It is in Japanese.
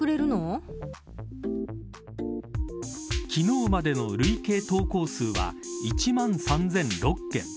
昨日までの累計投稿数は１万３００６件。